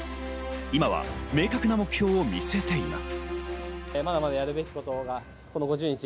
今は明確な目標を見据えています。